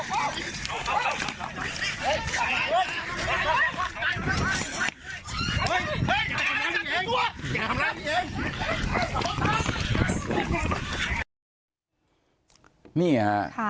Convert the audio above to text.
นี่คะปลายตามมา